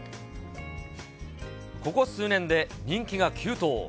ここ数年で人気が急騰。